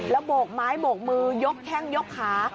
โบกไม้โบกมือยกแข้งยกขา